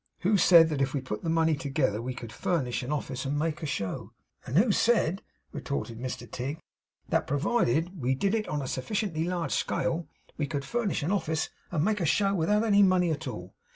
Who said, that if we put the money together we could furnish an office, and make a show?' 'And who said,' retorted Mr Tigg, 'that, provided we did it on a sufficiently large scale, we could furnish an office and make a show, without any money at all?